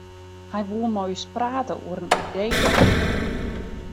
Hy woe mei ús prate oer in idee dat er hie.